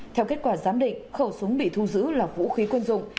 theo kết quả giám định khẩu súng bị thu giữ là vũ khí quân dụng